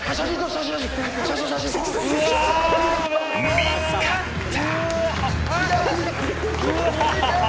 見つかった。